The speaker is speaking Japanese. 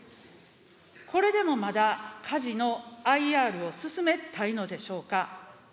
これでもまだカジノ・ＩＲを進めたいのでしょうか。